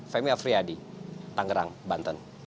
priyadi tangerang banten